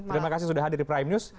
terima kasih sudah hadir di prime news